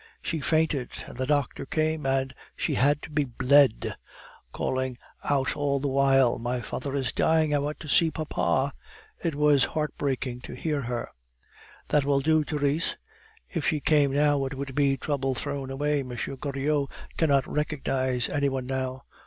She fainted, and the doctor came, and she had to be bled, calling out all the while, 'My father is dying; I want to see papa!' It was heartbreaking to hear her " "That will do, Therese. If she came now, it would be trouble thrown away. M. Goriot cannot recognize any one now."